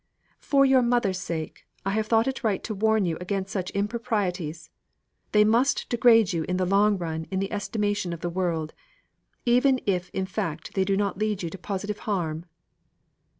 "For your mother's sake, I have thought it right to warn you against such improprieties; they must degrade you in the long run in the estimation of the world, even if in fact they do not lead you to positive harm."